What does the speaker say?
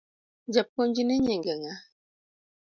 Japuonjni nyinge ng’a?